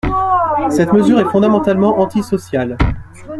Cette mesure est fondamentalement antisociale.